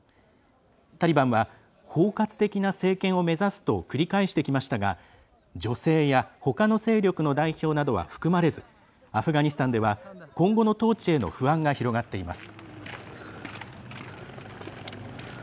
タリバンは包括的な政権を目指すと繰り返してきましたが女性やほかの勢力の代表などは含まれずアフガニスタンでは今後の統治への不安が広がっています。